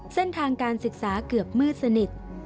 เส้นทางการศึกษาเกือบมืดสนิท